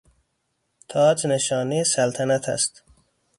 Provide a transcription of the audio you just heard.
تاج نشانهی سلطنت است.